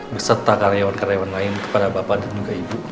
beserta karyawan karyawan lain kepada bapak dan juga ibu